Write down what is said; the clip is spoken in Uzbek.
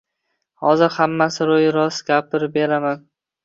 Hozir hammasini ro`y-rost gapirib beraman